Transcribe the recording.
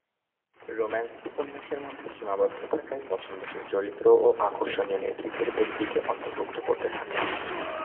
Romance উপন্যাসের মধ্যে সীমাবদ্ধ থাকায় পছন্দসই চরিত্র ও আকর্ষণীয় নেতৃত্বের ব্যক্তিকে অন্তর্ভুক্ত করতে থাকেন।